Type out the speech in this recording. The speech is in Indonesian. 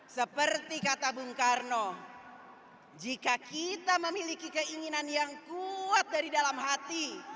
seperti kata bung karno jika kita memiliki keinginan yang kuat dari dalam hati